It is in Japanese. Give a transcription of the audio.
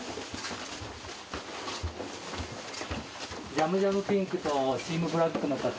ジャムジャムピンクとチームブラックの方。